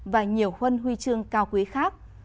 và nhiều huân huy chương cao quý khác